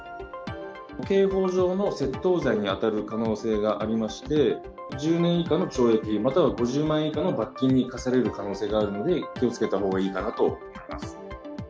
刑法上の窃盗罪に当たる可能性がありまして、１０年以下の懲役、または５０万円以下の罰金に科される可能性があるので、気をつけたほうがいいかなと思います。